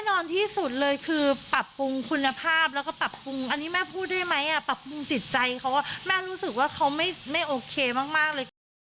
นอนที่สุดเลยคือปรับปรุงคุณภาพแล้วก็ปรับปรุงอันนี้แม่พูดได้ไหมปรับปรุงจิตใจเขาแม่รู้สึกว่าเขาไม่โอเคมากเลยก่อน